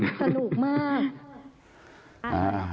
สนุกมาก